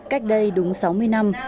cách đây đúng sáu mươi năm